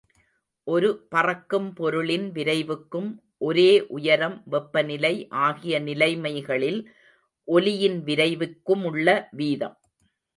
ஒரு பறக்கும் பொருளின் விரைவுக்கும் ஒரே உயரம் வெப்பநிலை ஆகிய நிலைமைகளில் ஒலியின் விரைவுக்குமுள்ள வீதம்.